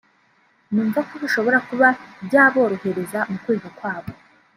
numva ko bishobora kuba byaborohereza mu kwiga kwabo